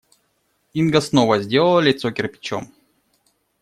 Инга снова сделала лицо кирпичом.